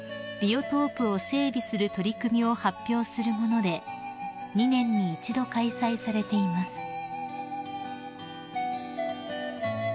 ビオトープを整備する取り組みを発表するもので２年に一度開催されています］